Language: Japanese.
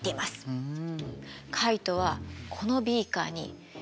うん。